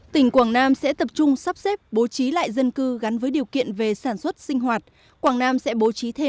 tỉnh quảng nam sẽ tập trung sắp xếp bố trí lại dân cư gắn với điều kiện về sản xuất sinh hoạt